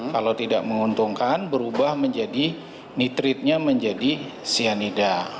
kalau tidak menguntungkan berubah menjadi nitritnya menjadi cyanida